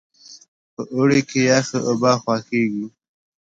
په اوړي کې یخې اوبه خوښیږي.